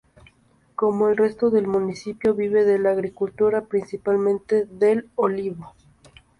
Como el resto del municipio, vive de la agricultura, principalmente del olivo.